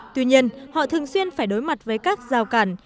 tuy nhiên họ thường xuyên phải đối mặt với các giao cản